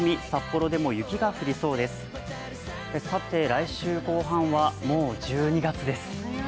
来週後半は、もう１２月です。